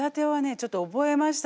ちょっと覚えましたんでね